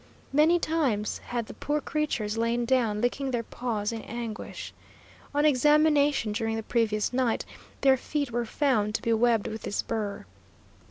Many times had the poor creatures lain down, licking their paws in anguish. On examination during the previous night, their feet were found to be webbed with this burr.